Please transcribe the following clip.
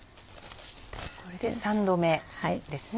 これで３度目ですね。